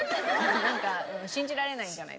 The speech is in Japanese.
なんか信じられないんじゃないですか？